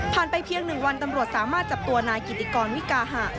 ไปเพียง๑วันตำรวจสามารถจับตัวนายกิติกรวิกาหะ